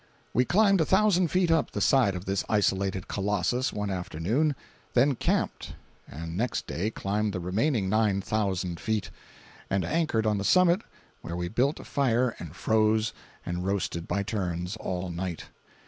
We climbed a thousand feet up the side of this isolated colossus one afternoon; then camped, and next day climbed the remaining nine thousand feet, and anchored on the summit, where we built a fire and froze and roasted by turns, all night.